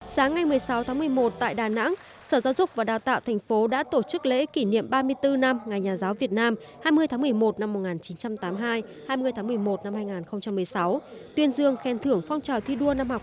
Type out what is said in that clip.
sáng ngày một mươi sáu tháng một mươi một tại đà nẵng sở giáo dục và đào tạo thành phố đã tổ chức lễ kỷ niệm ba mươi bốn năm ngày nhà giáo việt nam hai mươi tháng một mươi một năm một nghìn chín trăm tám mươi hai hai mươi tháng một mươi một năm hai nghìn một mươi sáu tuyên dương khen thưởng phong trào thi đua năm học hai nghìn một mươi năm hai nghìn một mươi sáu